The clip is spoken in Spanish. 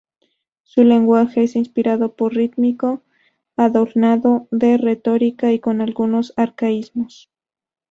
Su lenguaje es inspirado, muy rítmico, adornado de retórica y con algunos arcaísmos.